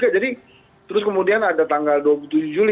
jadi terus kemudian ada tanggal dua puluh tujuh juli